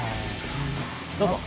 どうぞ。